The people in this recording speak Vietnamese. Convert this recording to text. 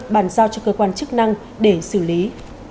bàn giao cho cơ quan chức năng để xử lý